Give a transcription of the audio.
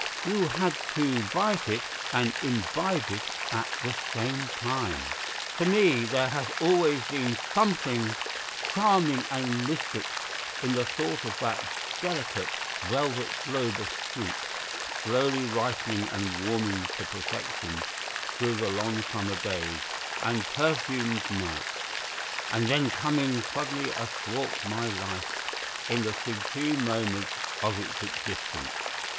You had to bite it and imbibe it at the same time. To me there has always been something charming and mystic in the thought of that delicate velvet globe of fruit, slowly ripening and warming to perfection through the long summer days and perfumed nights, and then coming suddenly athwart my life in the supreme moment of its existence.